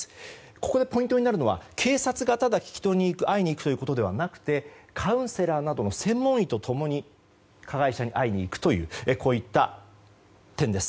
ここでポイントになるのは警察がただ聞き取りに行く会いに行くということではなくカウンセラーなどの専門医と共に加害者に会いに行くというこういった点です。